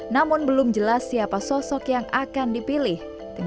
namun belum jelas siapa sosok yang akan dipilih